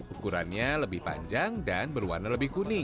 ukurannya lebih panjang dan berwarna lebih kuning